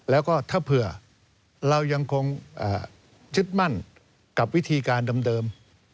แล้วก็ถ้าเผื่อเรายังคงยึดมั่นกับวิธีการเดิม